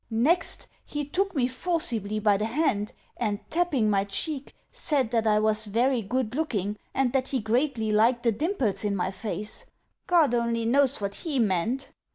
Next, he took me forcibly by the hand, and, tapping my cheek, said that I was very good looking, and that he greatly liked the dimples in my face (God only knows what he meant!).